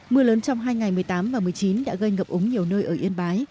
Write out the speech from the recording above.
mưa lớn trong hai ngày một mươi tám và một mươi chín đã gây ngập úng nhiều nơi ở yên bái